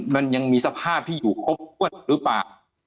มันยังมีสภาพที่อยู่ครบถ้วนหรือเปล่า